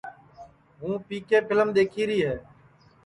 ہوں پی کے پھیلم دؔیکھیری ہے